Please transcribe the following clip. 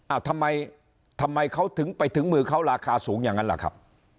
ทำไมทำไมเขาถึงไปถึงมือเขาราคาสูงอย่างนั้นล่ะครับ